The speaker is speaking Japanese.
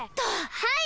はい！